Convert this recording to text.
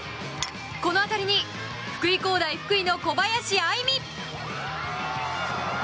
この当たりに福井工大福井の小林愛海。